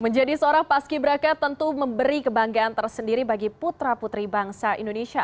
menjadi seorang paski beraka tentu memberi kebanggaan tersendiri bagi putra putri bangsa indonesia